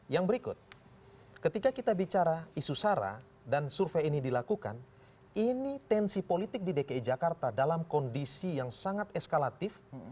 yang berikut ketika kita bicara isu sara dan survei ini dilakukan ini tensi politik di dki jakarta dalam kondisi yang sangat eskalatif